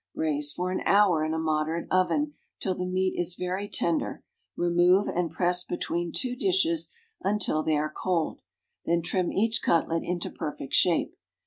Braise for an hour in a moderate oven till the meat is very tender, remove, and press between two dishes until they are cold. Then trim each cutlet into perfect shape.